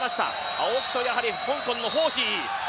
青木と香港のホーヒー。